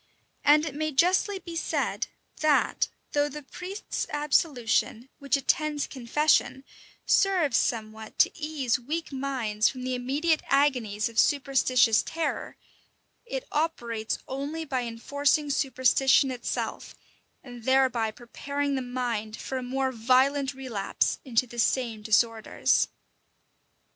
And it may justly be said, that, though the priest's absolution, which attends confession, serves somewhat to ease weak minds from the immediate agonies of superstitious terror, it operates only by enforcing superstition itself, and thereby preparing the mind for a more violent relapse into the same disorders.